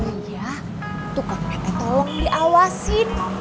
iya tuh kak pepe tolong diawasin